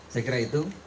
saya kira itu